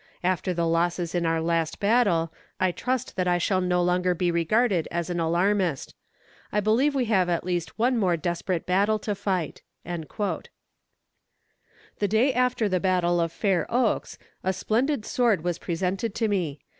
After the losses in our last battle, I trust that I shall no longer be regarded as an alarmist. I believe we have at least one more desperate battle to fight." The day after the battle of Fair Oaks, a splendid sword was presented to me.